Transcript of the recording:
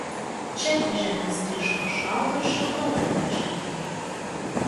Čia iš žemės tryško šalto ir šilto vandens šaltiniai.